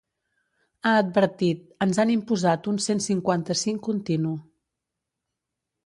Ha advertit: ‘Ens han imposat un cent cinquanta-cinc continu’.